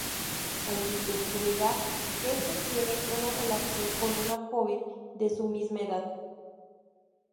Allí, descubrirá que este tiene una relación con una joven de su misma edad.